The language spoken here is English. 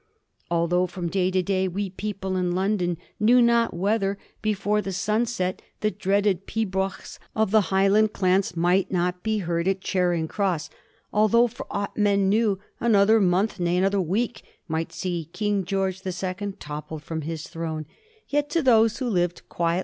" Although from day to day we people in London knew not whether before the sunset the dreaded pibrochs of the Highland clans might not be heard at Charing Cross — although, for aught men knew, another month, nay, another week, might see King George the Second toppled from his throne — yet to those who lived quiet 220 A mSTORT OF THE FOUR GEORGES. cilzxxy.